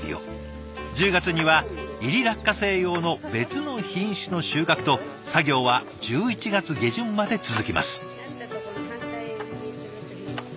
１０月には炒り落花生用の別の品種の収穫と作業は１１月下旬まで続きます。